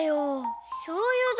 しょうゆ！